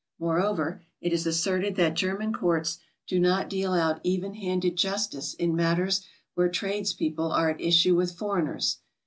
Moreover, it is asserted that German courts do not deal out even handed justice in matters where trades people are at issue with foreigners.